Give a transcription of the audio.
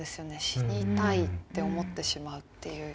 「死にたい」って思ってしまうっていう。